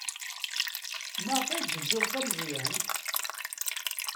Maɣef ay d-tewwim tameẓyant?